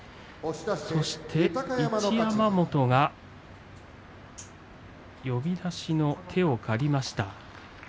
そして、一山本が呼出しの手を借りました。